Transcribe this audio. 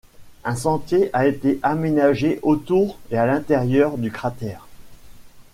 Un sentier a été aménagé autour et à l'intérieur du cratère.